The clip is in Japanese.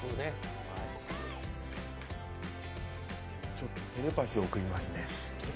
ちょっと、テレパシー送りますね。